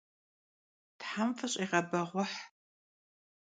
Them fış'iğebeğueh!